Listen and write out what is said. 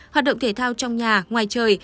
hoạt động thể thao trong nhà ngoài chơi